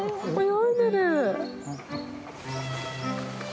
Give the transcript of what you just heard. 泳いでる。